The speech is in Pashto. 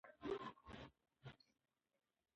خیر محمد ته د ډوډۍ اخیستل یو لوی بریالیتوب و.